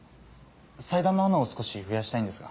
祭壇の花を少し増やしたいんですが。